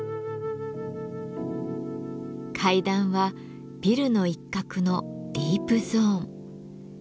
階段はビルの一角のディープゾーン。